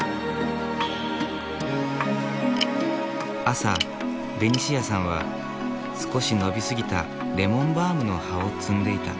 朝ベニシアさんは少し伸び過ぎたレモンバームの葉を摘んでいた。